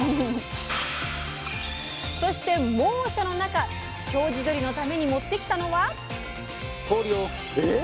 ⁉そして猛暑の中京地どりのために持って来たのは。